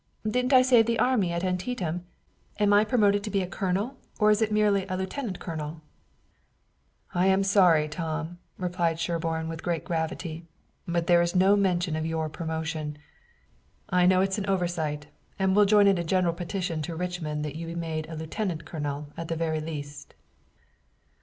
Didn't I save the army at Antietam? Am I promoted to be a colonel or is it merely a lieutenant colonel?" "I'm sorry, Tom," replied Sherburne with great gravity, "but there is no mention of your promotion. I know it's an oversight, and we'll join in a general petition to Richmond that you be made a lieutenant colonel at the very least."